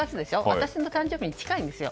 私の誕生日に近いんですよ。